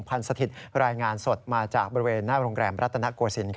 เป็นอีกจุดคัดกรองบริเวณโรงแรมรัตนโกสิน